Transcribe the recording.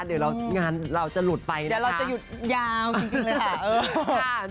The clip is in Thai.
เดี๋ยวเรางานเราจะหลุดไปนะคะเดี๋ยวเราจะหยุดยาวจริงจริงเลยค่ะ